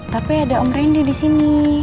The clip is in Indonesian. tapi ada om randy disini